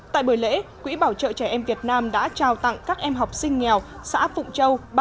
tại buổi lễ quỹ bảo trợ trẻ em việt nam đã trao tặng các em học sinh nghèo xã phụng châu